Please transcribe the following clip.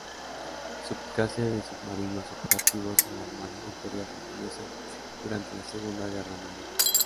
Subclase de submarinos operativos en la Armada Imperial Japonesa durante la Segunda Guerra Mundial.